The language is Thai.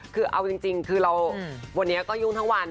คือเอาจริงวันนี้ก็ยุ่งทั้งวัน